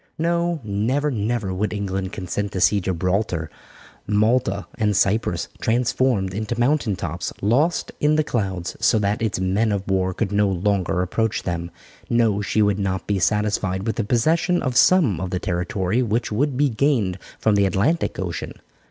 No, never, never would England consent to see Gibralter, Malta, and Cyprus transformed into mountain tops, lost in the clouds, so that its men of war could no longer approach them. No, she would not be satisfied with the possession of some of the territory which would be gained from the Atlantic Ocean.